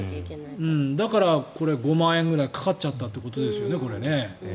だから、５万円ぐらいかかっちゃったっていうことですよね。